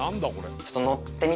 ちょっと。